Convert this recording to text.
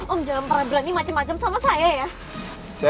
om jangan pernah belani macem macem sama saya ya